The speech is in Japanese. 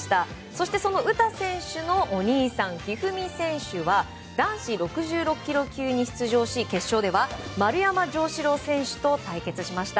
そしてその詩選手のお兄さん一二三選手は男子６６ｋｇ級に出場し決勝では丸山城志郎選手と対決しました。